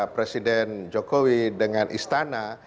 presiden jokowi dengan istana